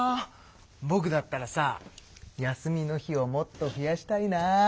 ぼくだったらさ休みの日をもっと増やしたいな。